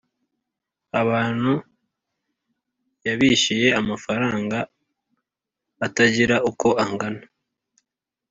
abantu yabishyuye amafaranga atagira uko angana